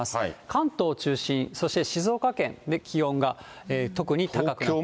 関東中心、そして静岡県で気温が特に高くなっています。